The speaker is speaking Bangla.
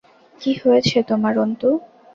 কী হয়েছে তোমার অন্তু!